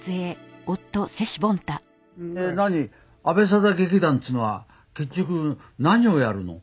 でなに阿部定劇団っていうのは結局何をやるの？